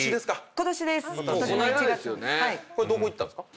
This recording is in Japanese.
これどこ行ったんすか？